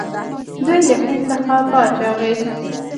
دوی له هند څخه باج اخیست